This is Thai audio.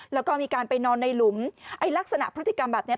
แล้วก็มีการไปนอนในหลุมไอ้ลักษณะพฤติกรรมแบบนี้